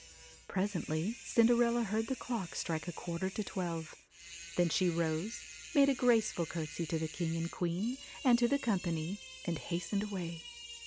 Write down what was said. Presently Cinderella heard the clock strike a quarter to twelve. Then she rose, made a grace ful courtesy to the king and queen and to the com pany, and hastened away.